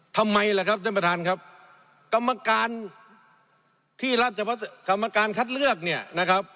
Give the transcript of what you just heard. ทำไมล่ะครับท่านประธานครับกรรมการที่รัฐกรรมการคัดเลือกเนี่ยนะครับ